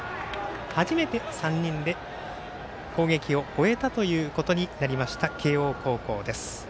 初めて３人で攻撃を終えたということになりました慶応高校です。